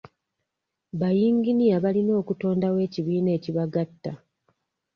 Bayinginiya balina okutondawo ekibiina ekibagatta.